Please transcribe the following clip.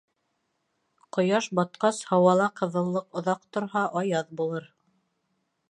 Ҡояш батҡас, һауала ҡыҙыллыҡ оҙаҡ торһа, аяҙ булыр.